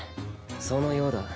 そのようだ。